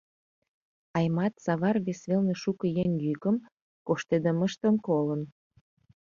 Аймат савар вес велне шуко еҥ йӱкым, коштедымыштым колын.